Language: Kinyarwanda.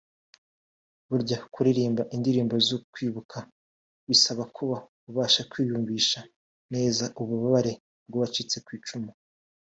Burya kuririmba indirimbo zo kwibuka bisaba kuba ubasha kwiyumvisha neza ububabare bw’uwacitse ku icumu